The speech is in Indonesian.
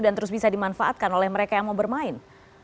dan terus bisa dimanfaatkan oleh mereka yang mau bermain